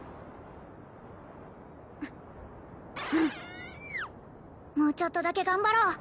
うんもうちょっとだけ頑張ろう